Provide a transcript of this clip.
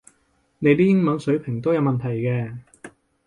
你啲英語水平都有問題嘅